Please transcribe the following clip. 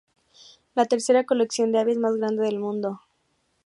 La tercera colección de aves más grande en el mundo.